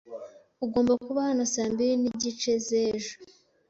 Ugomba kuba hano saa mbiri n'igice z'ejo.